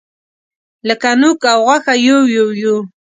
لکه نوک او غوښه یو یو یوو.